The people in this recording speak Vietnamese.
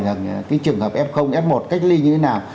trường hợp f f một cách ly như thế nào